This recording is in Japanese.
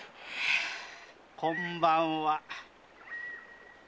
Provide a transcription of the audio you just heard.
こんばんは。